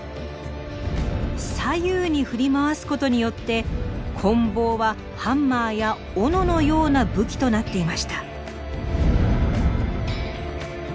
左右に振り回すことによってこん棒はハンマーや斧のような武器となっていました。